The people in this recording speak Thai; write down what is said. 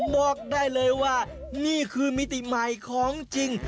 บอกได้เลยว่านี่คือมิติใหม่ของจริง